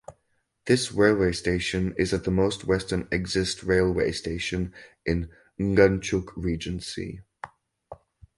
This railway station is at the most western exist railway station in Nganjuk Regency.